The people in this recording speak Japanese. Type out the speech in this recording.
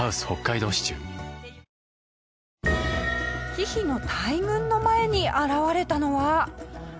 ヒヒの大群の前に現れたのは。